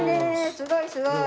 すごいすごい！